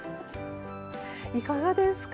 いかがですか？